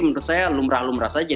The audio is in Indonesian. menurut saya lumrah lumrah saja